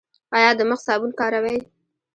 ایا د مخ صابون کاروئ؟